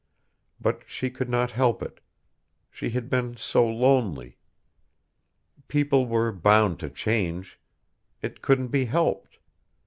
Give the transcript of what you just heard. But she could not help it. She had been so lonely. People were bound to change. It couldn't be helped.